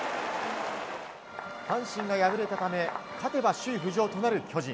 阪神が敗れたため勝てば首位浮上となる巨人。